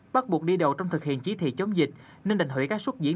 bắt buộc đi đầu trong thực hiện chí thị chống dịch nên đành hủy các xuất diễn